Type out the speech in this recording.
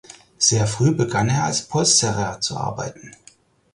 Sehr früh begann er als Polsterer zu arbeiten.